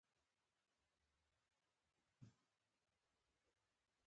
غور د پښتو ادبیاتو د رامنځته کیدو یو ډېر مهم مرکز و